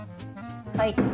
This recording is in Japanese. はい。